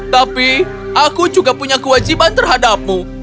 tapi aku juga punya kewajiban terhadapmu